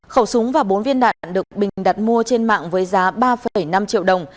khẩu súng và bốn viên đạn được bình đặt mua trên mạng với giá ba năm triệu đồng